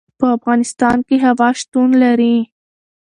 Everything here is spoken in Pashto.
په افغانستان کې هوا شتون لري.